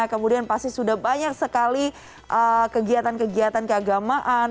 kemudian pasti sudah banyak sekali kegiatan kegiatan keagamaan